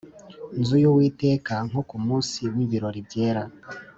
nzu y Uwiteka nko ku munsi w ibirori byera